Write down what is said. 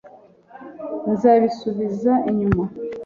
nzabisubiza inyuma